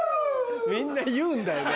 みんな言うんだよな。